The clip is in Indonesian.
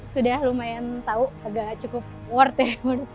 sudah lumayan tahu agak cukup worth ya